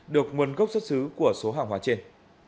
được nguồn gốc xuất xứ của số hàng hóa trên